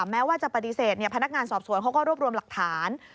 แม้ว่าจะปฏิเสธพนักงานสอบสวนเขาก็รวบรวมหลักฐาน